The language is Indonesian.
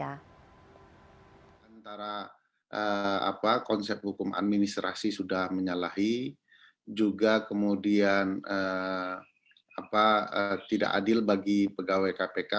antara konsep hukum administrasi sudah menyalahi juga kemudian tidak adil bagi pegawai kpk